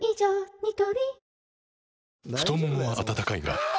ニトリ太ももは温かいがあ！